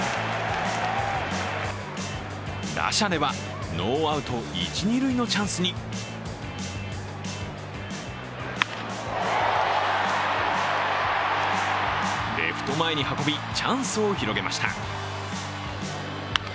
打者では、ノーアウト一・二塁のチャンスにレフト前に運びチャンスを広げました。